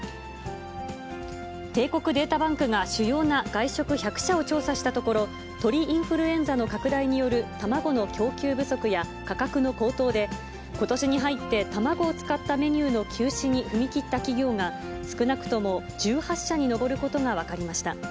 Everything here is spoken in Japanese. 帝国データバンクが主要な外食１００社を調査したところ、鳥インフルエンザの拡大による卵の供給不足や価格の高騰で、ことしに入って卵を使ったメニューの休止に踏み切った企業が、少なくとも１８社に上ることが分かりました。